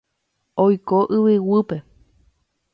Oiko yvyguýpe.